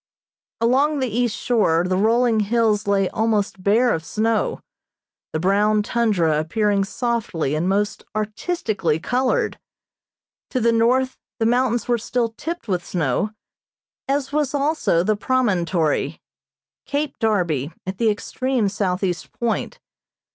Along the east shore the rolling hills lay almost bare of snow, the brown tundra appearing softly and most artistically colored. To the north the mountains were still tipped with snow, as was also the promontory Cape Darby, at the extreme southeast point.